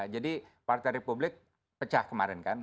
jadi partai republik pecah kemarin kan